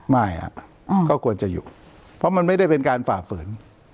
ไม่ก็ควรจะอยู่เพราะมันไม่ได้เป็นการฝ่าฝืน